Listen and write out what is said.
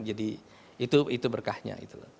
jadi itu berkahnya